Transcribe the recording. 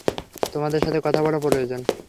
তোমাদের সাথে কথা বলা প্রয়োজন।